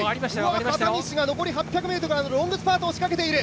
片西が残り８００ｍありますが、ロングスパートを仕掛けている。